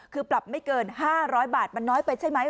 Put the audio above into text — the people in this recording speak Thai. คือปรับไม่เกิน๕๐๐บาทมันน้อยไปใช่ไหม